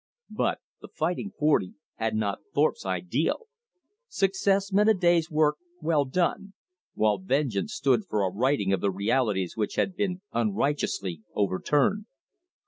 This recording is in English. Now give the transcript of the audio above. But the Fighting Forty had not Thorpe's ideal. Success meant a day's work well done; while vengeance stood for a righting of the realities which had been unrighteously overturned.